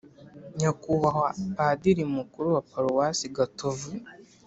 nyakubahwa padiri mukuru wa paruwasi gatovu,